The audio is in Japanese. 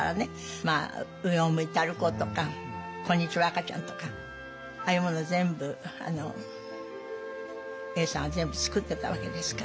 「上を向いて歩こう」とか「こんにちは赤ちゃん」とかああいうもの全部永さんは全部作ってたわけですから。